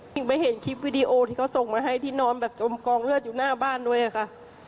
ไปเห็นคลิปวิดีโอที่เขาส่งมาให้ที่นอนแบบจมกองเลือดอยู่หน้าบ้านด้วยค่ะ